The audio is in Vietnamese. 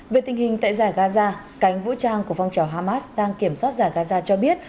về tình hình tại giải gaza cánh vũ trang của phong trào hamas đang kiểm soát giải gaza cho biết